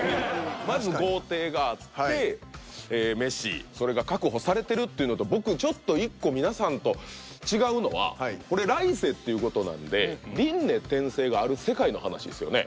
まず豪邸があって飯それが確保されてるっていうのと僕ちょっと１個皆さんと違うのはこれ来世っていう事なんで輪廻転生がある世界の話ですよね。